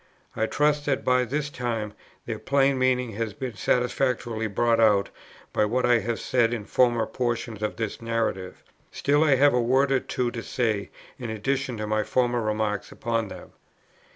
I trust that by this time their plain meaning has been satisfactorily brought out by what I have said in former portions of this Narrative; still I have a word or two to say in addition to my former remarks upon them.